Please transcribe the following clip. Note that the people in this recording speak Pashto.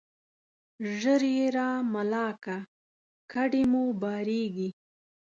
ژر يې را ملا که ، کډي مو بارېږي.